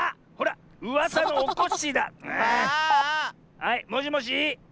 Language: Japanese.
はいもしもし。